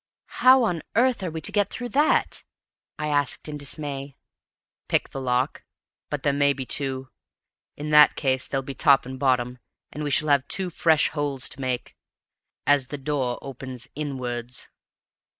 "How on earth are we to get through that?" I asked in dismay. "Pick the lock. But there may be two. In that case they'll be top and bottom, and we shall have two fresh holes to make, as the door opens inwards.